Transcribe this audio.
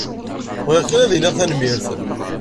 Bɣiɣ kan ad iniɣ tanemmirt.